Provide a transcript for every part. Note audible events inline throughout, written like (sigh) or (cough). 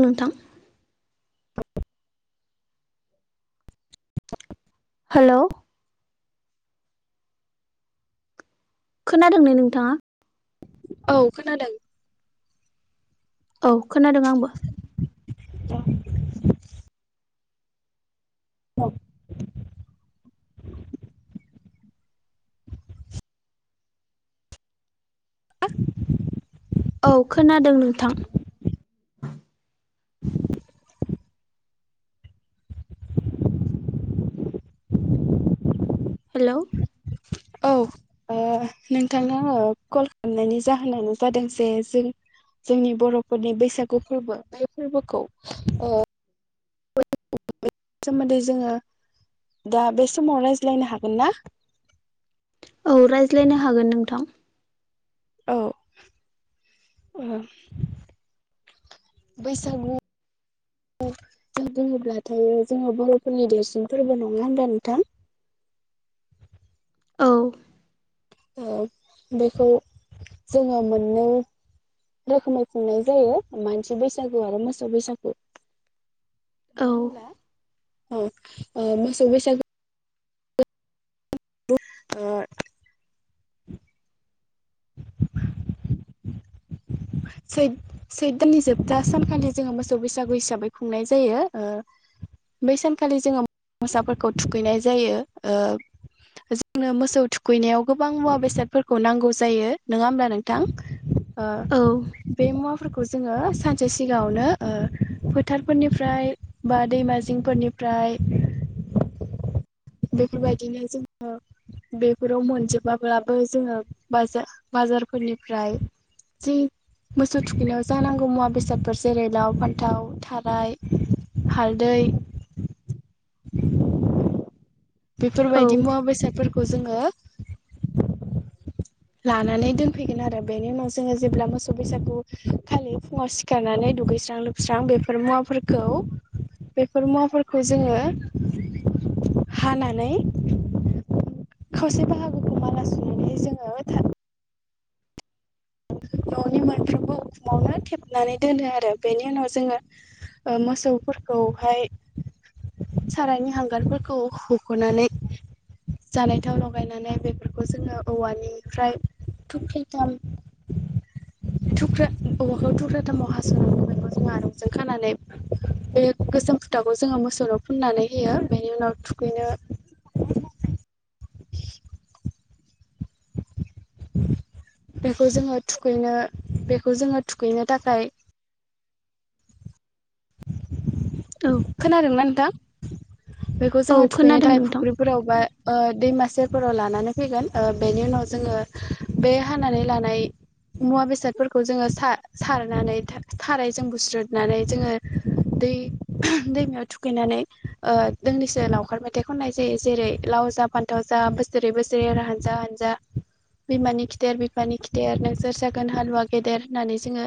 नोंथां हालौ खोनादों ना नोंथाङा? औ खोनादों औ खोनादों आंबो (inaudible) औ आ औ खोनादों नोंथां (inaudible) हेलौ औ नोंथां कल खालामनायनि जाहोनानो जादों जे जों जोंनि बर'फोरनि बैसागु फोरबो बे फोरबोखौ सोमोन्दै जोङो दा बे समाव रायज्लायनो हागोन ना? औ रायज्लायनो हागोन नोंथां औ औ बैसागु औ जों बुङोब्लाथायायो जोङो बर'फोरनि देरसिन फोरबो नङा होना नोंथां औ बेखौ जोङो मोननो रोखोमै खुंनाय जायो मानसि बैसागु आरो मोसौ बैसागु औ अ ओ मोसौ बैसागु (inaudible) सैथ सैथ दाननि जोबथा सानखालि जोङो मोसौ बैसागु हिसाबै खुंनाय जायो। बै सानखालि जोङो मोसाफोरखौ थुखैनाय जायो। जोंनो मोसौ थुखैनायाव गोबां मुवा बेसादफोरखौ नांगौ जायो नङा होमब्ला नोंथां। ओ औ बे मुवाफोरखौ जोङो सानसे सिगाङावनो फोथारफोरनिफ्राय बा दैमा जिंफोरनिफ्राय बेफोरबायदिनो जों बेफोराव मोनजोबाब्लाबो जोङो बाजा बाजारफोरनिफ्राय जि मोसौ थुखैनायाव जानांगौ मुवा बेसादफोर जेरै लाव फान्थाव थाराय हालदै औ बेफोरबायदि मुवा बेसादफोरखौ जोङो लानानै दोनफैगोन आरो बेनि उनाव जोङो जेब्ला मोसौ बौ बैसागु खालि फुङाव सिखारनानै दुगैस्रां लोबस्रां बेफोर मुवाफोरखौ बेफोर मुवाफोरखौ जोङो हानानै खावसे बाहागोखौ माला सुैनानैहाय जोङो थार न'नि मोनफ्रोमबो उखुमावनो थेबनानै दोनो आरो बेनि उनाव जोङो मोसौफोरखौहाय सारायनि हांगारफोरखौ हख'नानै जानाय थाव लगायनानै बेफोरखौ जोङो औवानिफ्राय थुखिथाम (inaudible) थुख्रा औवखखौ थुख्रा दामाव हास'नागौ बेखौ जों आंजों खानानै बे गोसोम खुथाखौ जोङो मोसौाव फुननानै होयो बेनि उनाव थुखैनो (inaudible) (inaudible) बेखौ जोङो थुखैनो बेखौ जोङो थुखैनो थाखाय औ खोनादोंना नोंथां बेखौ औ जोङो थुखैनो खोनादों थाखाय नोंथां फुख्रिफोराव बा दैमासेफोराव लानानै फैगोन बेनि उनाव जोङो बे हानानै लानाय मुवा बेसादफोरखौ जोङो सारनानै सारायजों गुस्रुदनानै जोङो दै दैमायाव थुखैनानै दोंनैसो लावखार मेथाइ खननाय जायो जेरै लाव जा फानथाव जा बोसोरै बोसोरै आरो हानजा हानजा बिमानि खिदेर बिफानि खिदेर नोंसोर जागोन हालुवा गेदेर होननानै जोङो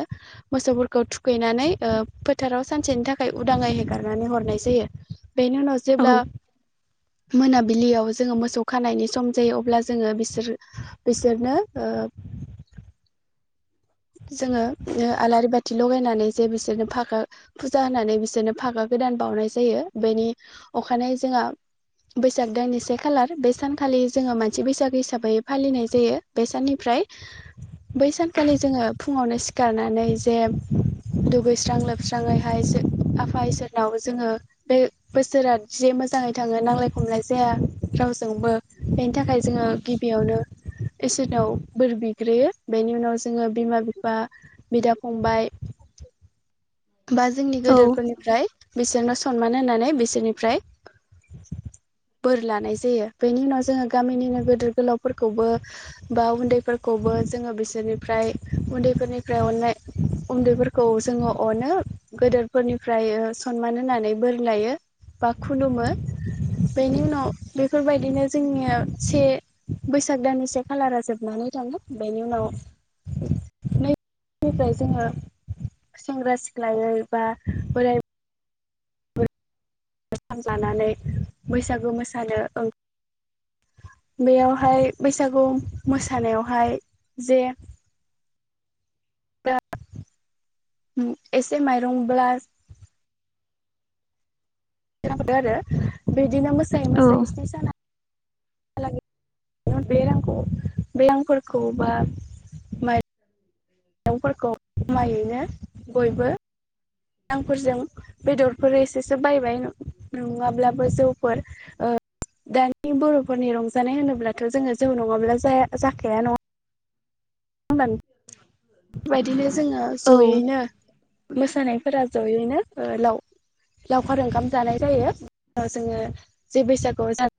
मोसौफोरखौ थुखैनानै ओ फोथाराव सानसेनि थाखाय उदाङै हेगारनानै हरनाय जायो बेनि उनाव जेब्ला औ मोनाबिलियाव जोङो मोसौ खानायनि सम जायो अब्ला जोङो बिसोर बिसोरनो (unintelligible) जोङो ओ आलारि बाथि लगायनानै जे बिसोरनो फागा फुजा होनानै बिसोरनो फागा गोदान बावनाय जायो बेनि अखानायै जोंहा बैसाग दानननिसे खालार बे सानखालि जोङो मानसि बैसागो हिसाबै फालिनाय जायो बे साननिफ्राय बै सानखालि जोङो फुङावनो सिखारनानै जे दुगैस्रां लोबस्राङैहाय आफा इसोरनाव जोङो बे बोसोरा जे मोजां मोजाङै थाङो नांलाय खमलाय जाया रावजोंबो बेनि थाखाय जोङो गिबियावनो इसोरनाव बोर बिग्रोयो बेनि उनाव जो जोङो बिमा बिफा बिदा फंबाय बा जोंनि औ गोदोरफोरनिफ्राय बिसोरनो सनमान होन नानै बिसोरनिफ्राय बोर लानाय जायो बेनि उनाव जोङो गामिनिनो गिदोर गोलावफोरखौबो बा उनदैफोरखौबो जोङो बिसोरनिफ्राय उनदै उनदैफोरनिफ्राय अननाय उनदैफोरखौ जोङो अनो गदोरफोरनिफ्राय सनमान होनानै बोर लायो। बा खुलुमो बेनि उनाव बेफोरबायदिनो जोंनिया से बैसाग दाननि से खालारा जोबनानै थाङो बेनि उनाव नै निफ्राय जोङो सेंग्रा सिख्लाायै बा बोराय लानानै बैसागु मोसानो ओं बेयावहाय बैसागु मोसानायावहाय जे (inaudible) एसे माइरं ब्लास दों आरो बिदिनो मोसायै औ मोसायै सिनि साना हालागै बे रांखौ बे रांफोरखौ बा मा माइंफोरखौ ज'मायैनो बयबो मजांफोरजों (unintelligible) बेदरफोर एसेसो बायबाय नङाब्लाबो जौफोर दानि बर'फोरनि रंजानाय होनोब्लाथ' जोङो जौ नङाब्ला जाया जाखाया नङा होनबा बेबायदिनो जोङो औ जयैनो मोसानायफोरा ज'यैनो लाव लावखार ओंखाम जानाय जायो जोङो जे बैसागु जा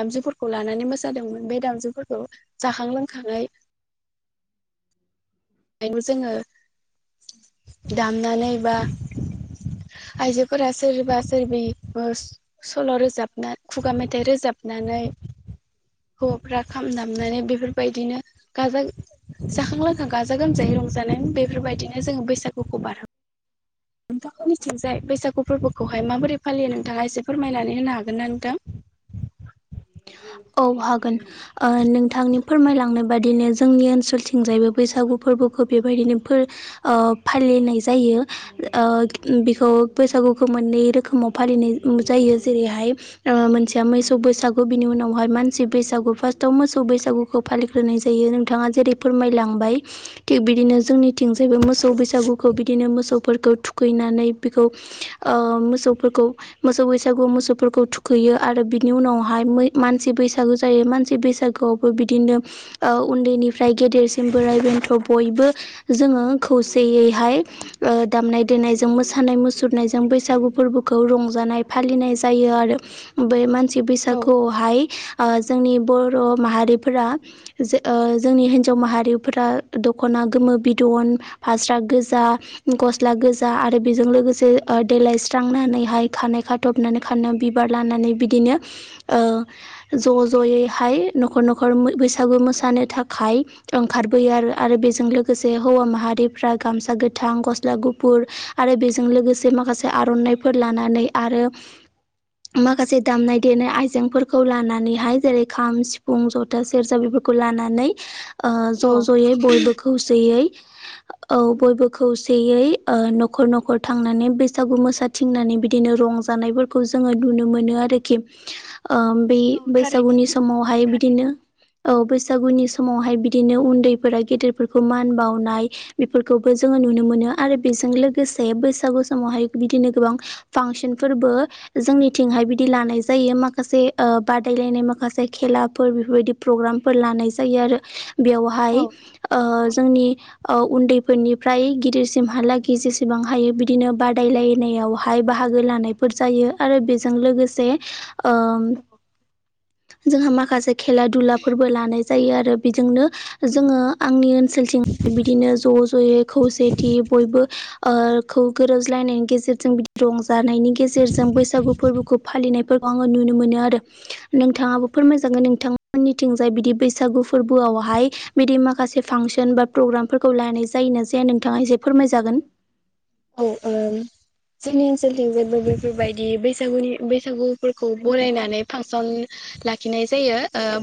दामजुफोरखौ लानानै मोसादोंमोन बे दामजुफोरखौ जाखां लोंखाङै बेखौ जोङो दामनानै बा आइजोफोरा सोरबा सोरबि सल' रोजाब ना खुगा मेथाइ रोजाबनानै हौवाफ्रा खाम दामनानै बेफोरबायदिनो गाजा जाखां लोंखां गाजा जा गोमजायै रंजानाय बेफोरबायदिनो जोङो बैसागुखौ बारहो बेनिथिंजाय बैसागु फोरबोखौहाय माबोरै फालियो नोंथाङा एसे फोरमायनानै होनो हागोन ना नोंथां औ हागोन ओ नोंथांनि फोरमायलांनाय बादिनो जोंनि ओनसोलथिंजायबो बैसागु फोरबोखौ बेबायदिनो फालिनाय जायो ओ बेखौ बैसाग गुखौ मोननै रोखोमाव फालिनाय जायो जेरैहाय मोनसे मैसौ बैसागु बिनि उनावहाय मानसि बैसागु फार्स्टयाव मोसौ बैसागुखौ फालिग्रोनाय जायो नोंथाङा जेरै फोरमायलाङो बिदिनो जोंनिथिं मोसौ बैसागुखौ बिदिनो मोसौ फोरखौ थुखैनानै बेखौ ओ मोसौफोरखौ मोसौ बैसागु मोसौफोरखौ थुखैयो यो आरो बिनि उनाव मानसि बैसागु जायो मानसि बैसागुयावबो बिदिनो उनदैनिफ्राय गेदेरसिम बोराय बेनथ' बयबो जोङो खौसेयैहाय दामनाय देनायजों मोसानाय नाय मुुरनायजों बैसागु फोरबोखौ रंजानाय फालिनाय जायो आरो बे मानसि औ खौहाय आं जोंनि बर' माहारिफोरा जोंनि हिनजाव माहारिफोरा दखना गोमो बिदन फास्रा गोजा गस्ला गोजा आरो बेजों लोगोसे देलाय स्रांनानैहाय खानाय खाथबनानै खानायाव बिबार लानानै बिदिनो ज' ज'यैहाय न'खर न'खर बैसागु मोसानो थाखाय ओंखारबोयो आरो आरो बेजों लोगोसे से हौवा माहारिफ्रा गामसा गोथां गस्ला गुफुर आरो बेजों लोगोसे माखासे आर'नाइ फोर लानानै आरो माखासे दामनाय देनाय आइ जेफोरखौ लानानैहाय जेरै खाम सिफुं जथा सेरजा बेफोरखौ लानानै ओ औ ज' ज'यै बयबो खौसेयै (inaudible) औ बयबो खौसेयै न'खर न'खर थांनानै बैसागु मोसा थिंनानै बिदिनो रंजायो नाय फोरखौ जोङो नुनो मोनो आरोखि ओ बै औ थारैनो बैसागुनि समावहाय बिदिनो औ बैसागुनि समावहाय बिदिनो उन्दैफोरा गेदेरफोरखौ मान बावनाय बेफोरखौबो जोङो नुनो मोनो आरो बेजों लोगोसे बैसागु समावहाय बिदिनो गोबां फांसन फोरबो जोंनिथिंहाय बिदि लानाय जायो माखा माखासे बादायलायनाय माखासे खेलाफोर बेफोरबायदि बेवहाय औ जोंनि उन्दैफोरनिफ्राय गिदिरसिमहालागै जेसेबां हायो बिदिनो बादायलायनायाव यावहाय बाहागो लानायफोर जायो आरो बेजों लोगोसे ओ जोंहा माखासे खेला दुलाफोरबो लानाय जा जायो आरो बेजोंनो जोङो आंनि ओनसोलथिं बिदिनो ज' ज'यै खौसेथि बयबो ओ खौ गोरोबलायनायनि गेजेरजों बिदि रंजानायनि गेजेरजों बैसागु फोरबोखौ फालिनायफोरखौ आङो नुनो मोनो आरो नोंथाङाबोफोर मोजां नोंथाङा निथिंजाय बिदि बैसागु फोरबोआवहाय बिदि माखासे फांसन बा प्रग्रामफोरखौ लानाय जायो ना जाया नोंथाङा एसे फोरमाय जागोन औ ओ जोंनि ओनसोलथिं जेबो बेफोरबायदि बैसागुनि बैसागुफोरखौ बरायनानै फांसन लाखिनाय जायो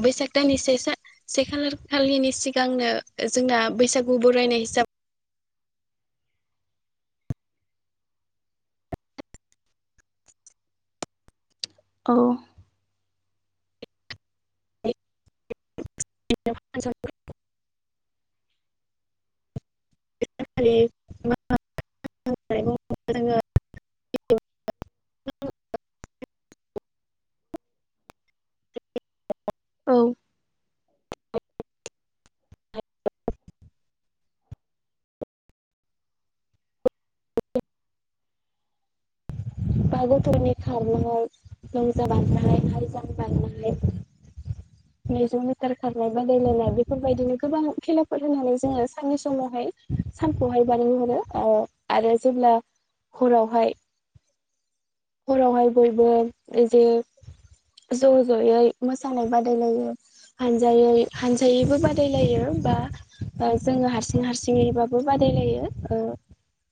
बैसाग दान से खालार खालिनि सिगांनो जों जोंना बैसागु बरायनाय हिसाबै औ (unintelligible) (inaudible) (inaudible) औ (inaudible) बा गथनि खारनायाव लंमजा बानायनो हायजां बारनाय मेजौ मेटार खारनाय बादायलायनाय बेफोरबायदिनो गोबां खेलाफोर होनानै जोङो साननि समावहाय सानखौहाय बानायनो हरो आरो जेब्ला हरावहाय हरावहाय बयबो जे ज' ज'यै मोसानाय बादायलायो हानजायै हानजायैबो बादायलायो बा जोङो हारसिं हारसिङैबाबो बादाय (unintelligible)